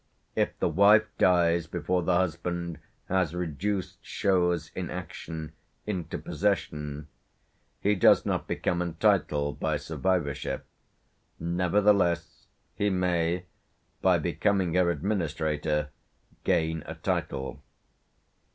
If the wife die before the husband has reduced choses in action into possession, he does not become entitled by survivorship; nevertheless, he may, by becoming her administrator, gain a title.